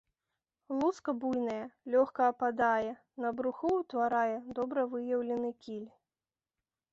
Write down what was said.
Луска буйная, лёгка ападае, на бруху ўтварае добра выяўлены кіль.